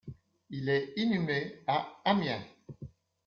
Il est inhumé à Amiens.